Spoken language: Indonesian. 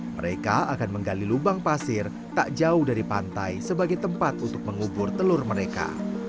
mereka akan menggali lubang pasir tak jauh dari pantai sebagai tempat untuk mengubur telur mereka